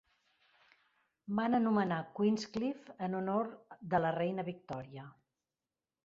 Van anomenar Queenscliff en honor de la reina Victòria.